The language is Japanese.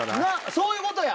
そういうことや！